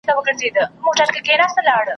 کتاب یعني له خپګان څخه خلاصون !